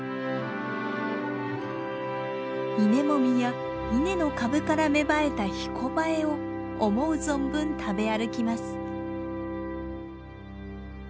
稲もみや稲の株から芽生えたヒコバエを思う存分食べ歩きます。